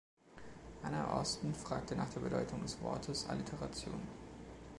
Anna Austen fragte nach der Bedeutung des Wortes „Alliteration“.